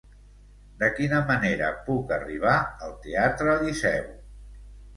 De quina manera puc arribar al Teatre Liceu?